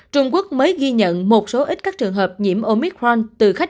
trung quốc mới ghi nhận một số ít các trường hợp nhiễm omicron từ khách